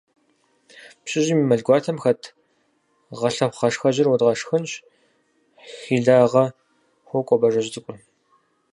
– Пщыжьым и мэл гуартэм хэт гъэлъэхъугъашхэжьыр уэдгъэшхынщ! – хьилагъэ хуокӀуэ Бажэжь цӀыкӀур.